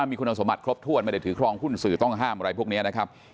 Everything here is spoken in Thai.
มีคุณสมบัติครบถ้วนไม่ได้ถือครองหุ้นสื่อต้องห้ามอะไรพวกนี้นะครับ